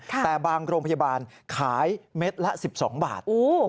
แต่บางโรงพยาบาลขายเม็ดละ๑๒บาท